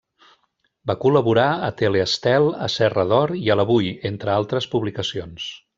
Va col·laborar a Tele-Estel, a Serra d'Or i a l'Avui, entre altres publicacions.